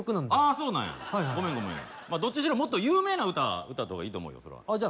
そうなんやごめんごめんはいはいどっちにしろもっと有名な歌歌った方がいいと思うよじゃ